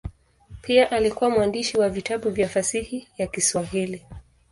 Pia alikuwa mwandishi wa vitabu vya fasihi ya Kiswahili.